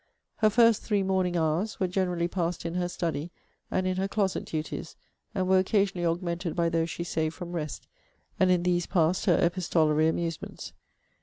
Her first THREE morning hours were generally passed in her study, and in her closet duties: and were occasionally augmented by those she saved from rest: and in these passed her epistolary amusements.